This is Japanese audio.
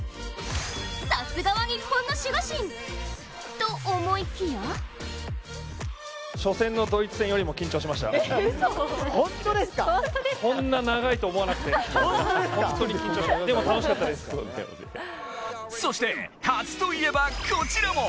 さすがは日本の守護神！と思いきやそして初といえばこちらも。